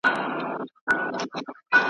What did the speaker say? جهاني څه به پر پردیو تهمتونه وایو !.